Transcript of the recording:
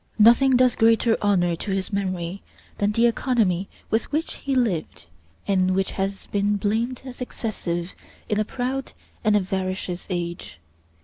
Nothing does greater honor to his memory than the economy with which he lived, and which has been blamed as excessive in a proud and avaricious age.